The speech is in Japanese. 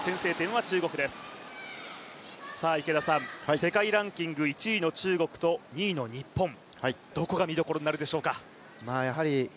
世界ランキング１位の中国と、２位の日本、どこが見どころになるでしょうか？